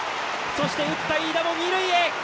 そして、打った飯田も二塁へ！